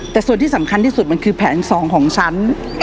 แต่ส่วนที่สำคัญที่สุดมันคือแผน๒ของชั้น